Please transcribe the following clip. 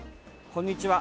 こんにちは。